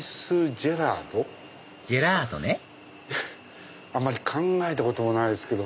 ジェラートねあまり考えたこともないですけど。